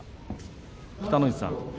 北の富士さん